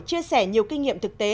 chia sẻ nhiều kinh nghiệm thực tế